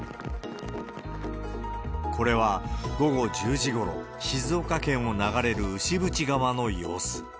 これは午後１０時ごろ、静岡県を流れる牛渕川の様子。